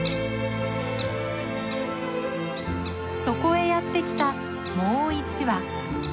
そこへやって来たもう１羽。